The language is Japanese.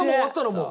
もう。